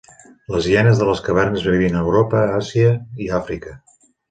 Les hienes de les cavernes vivien a Europa, Àsia i Àfrica.